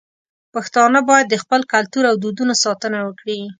پښتانه بايد د خپل کلتور او دودونو ساتنه وکړي.